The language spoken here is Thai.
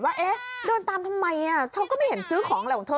ว่าเอ๊ะเดินตามทำไมเหล่ะเขาก็ไม่เห็นซื้อของแหล่งของเธอ